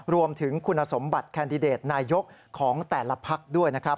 รวมถึงคุณสมบัติแคนดิเดตนายกของแต่ละพักด้วยนะครับ